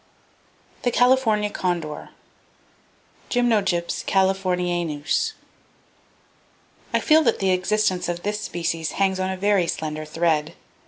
The California Condor, (Gymnogyps californianus). —I feel that the existence of this species hangs on a very slender thread.